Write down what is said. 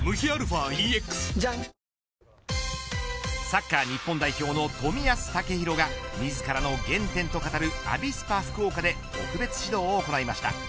サッカー日本代表の冨安健洋が自らの原点と語るアビスパ福岡で特別指導を行いました。